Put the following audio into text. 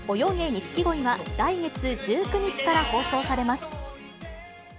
ニシキゴイは、来月１９日から放送されます。